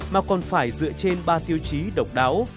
mà còn phải dựa trên ba tiêu chí độc đáo